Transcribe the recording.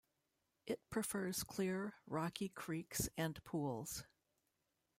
It prefers clear, rocky creeks and pools.